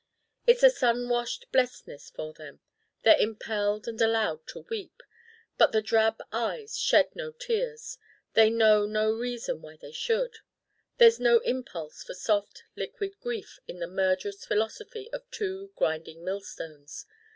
It's a sun washed blestness for them: they're impelled and allowed to weep. But the Drab Eyes shed no tears they know no reason why they should. There's no impulse for soft liquid grief in the murderous philosophy of two grinding millstones.